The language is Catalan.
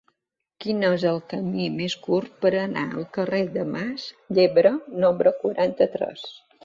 Quin és el camí més curt per anar al carrer de Mas Yebra número quaranta-tres?